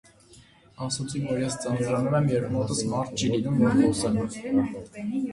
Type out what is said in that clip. Ասացի, որ ես ձանձրանում եմ, երբ մոտս մարդ չի լինում, որ խոսեմ.